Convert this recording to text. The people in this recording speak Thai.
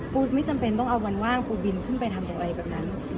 ไม่จำเป็นต้องเอาวันว่างปูบินขึ้นไปทำอย่างไรแบบนั้น